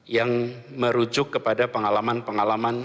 yang merujuk kepada pengalaman pengalaman